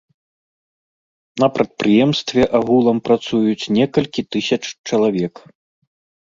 На прадпрыемстве агулам працуюць некалькі тысяч чалавек.